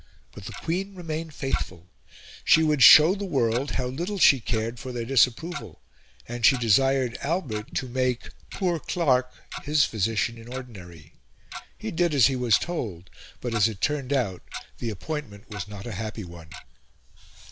But the Queen remained faithful. She would show the world how little she cared for their disapproval, and she desired Albert to make "poor Clark" his physician in ordinary. He did as he was told; but, as it turned out, the appointment was not a happy one.